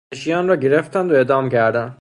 شورشیان را گرفتند و اعدام کردند.